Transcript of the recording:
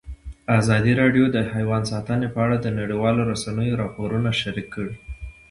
ازادي راډیو د حیوان ساتنه په اړه د نړیوالو رسنیو راپورونه شریک کړي.